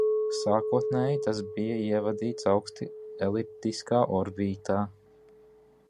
Sākotnēji tas bija ievadīts augsti eliptiskā orbītā.